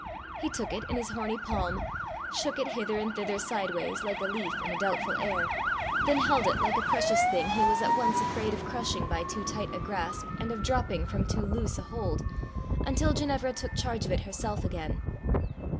He took it in his horny palm, shook it hither and thither sideways, like a leaf in a doubtful air, then held it like a precious thing he was at once afraid of crushing by too tight a grasp, and of dropping from too loose a hold, until Ginevra took charge of it herself again.